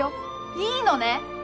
いいのね？